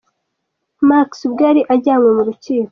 Marks ubwo yari ajyanwe mu rukiko.